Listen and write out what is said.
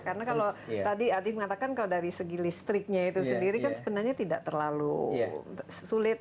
karena kalau tadi adi mengatakan kalau dari segi listriknya itu sendiri kan sebenarnya tidak terlalu sulit